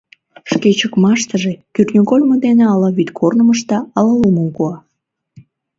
Шке чыкмаштыже кӱртньыгольмо дене ала вӱдкорным ышта, ала лумым куа.